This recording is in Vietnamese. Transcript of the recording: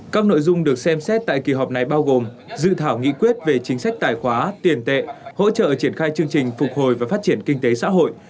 các nội dung được xem xét tại kỳ họp này bao gồm dự thảo nghị quyết về chính sách tài khoá tiền tệ hỗ trợ triển khai chương trình phục hồi và phát triển kinh tế xã hội